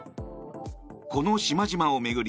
この島々を巡り